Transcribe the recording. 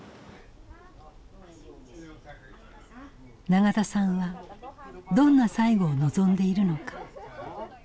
永田さんはどんな最期を望んでいるのか。